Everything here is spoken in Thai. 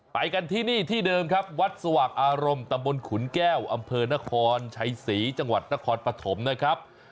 ไปกันที่นี่ที่เดิมครับวัดสว่างอารมณ์ตำบลขุนแก้วอำเภอนครชัยศรีจังหวัดนครปฐมนะครับ